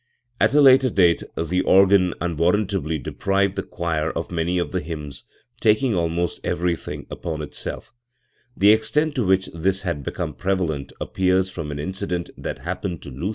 At a later date the organ unwarrantably deprived the choir of many of the hymns, taking almost everything upon itself, The extent to which this had become prevalent appears from an incident that happened to Luther, which * C&remoniale Episcoforwn; Papst Clemens F//I.